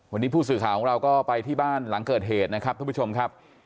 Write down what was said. วันนี้ผู้สื่อข่าวของเราก็ไปที่บ้านหลังเกิดเหตุนะครับท่านผู้ชมครับ